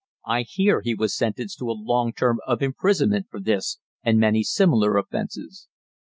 I hear he was sentenced to a long term of imprisonment for this and many similar offenses.